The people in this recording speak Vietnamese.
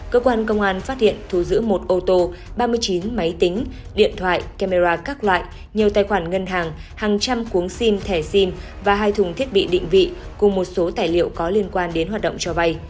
cơ quan công an phát hiện thu giữ một ô tô ba mươi chín máy tính điện thoại camera các loại nhiều tài khoản ngân hàng hàng trăm cuốn sim thẻ sim và hai thùng thiết bị định vị cùng một số tài liệu có liên quan đến hoạt động cho vay